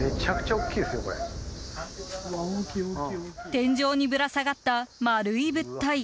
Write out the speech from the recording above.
天井にぶら下がった丸い物体。